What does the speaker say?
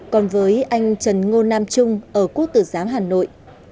còn với anh trần ngô nam trung ở quốc tử giám hà nội